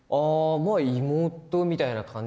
妹みたいな感じ。